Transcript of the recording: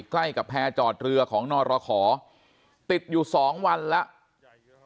ใกล้กับแพร่จอดเรือของนรขอติดอยู่๒วันแล้ว